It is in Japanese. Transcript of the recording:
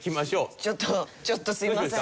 ちょっとちょっとすみません。